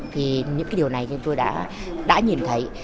thì những cái điều này tôi đã nhìn thấy